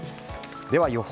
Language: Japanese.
では予報。